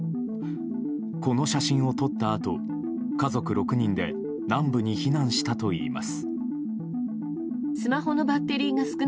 この写真を撮ったあと家族６人で南部に避難したといいます。